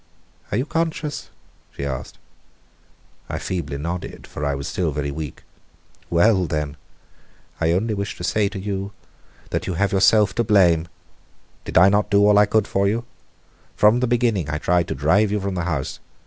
"Are you conscious?" she asked. I feebly nodded for I was still very weak. "Well; then, I only wished to say to you that you have yourself to blame. Did I not do all I could for you? From the beginning I tried to drive you from the house.